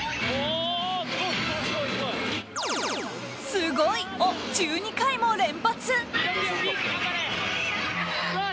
すごいを１２回も連発。